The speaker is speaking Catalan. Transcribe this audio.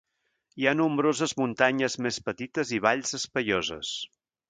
Hi ha nombroses muntanyes més petites i valls espaioses.